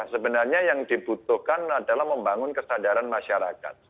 sebenarnya yang dibutuhkan adalah membangun kesadaran masyarakat